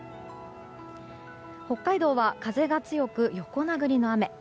北海道は風が強く、横殴りの雨。